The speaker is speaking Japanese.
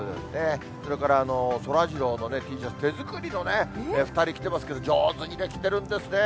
それからそらジローのＴシャツ、手作りの２人、着てますけど、上手に出来てるんですね。